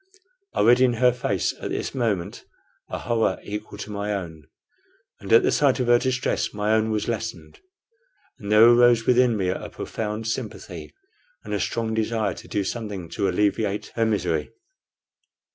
I read in her face at this moment a horror equal to my own; and at the sight of her distress my own was lessened, and there arose within me a profound sympathy and a strong desire to do something to alleviate her misery.